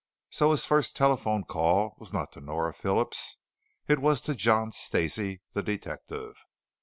So his first telephone call was not to Nora Phillips. It was to John Stacey, the detective.